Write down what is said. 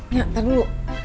nyi ntar dulu